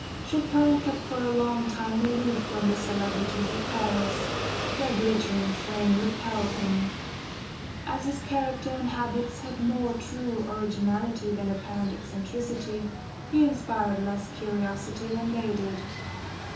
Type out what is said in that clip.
Chopin kept for a long time aloof from the celebrities of Paris; their glittering train repelled him. As his character and habits had more true originality than apparent eccentricity, he inspired less curiosity than they did.